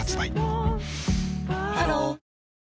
ハロー